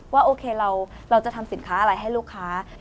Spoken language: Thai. ว่าโอเคเราจะทำสินค้าอะไรให้ลูกค้า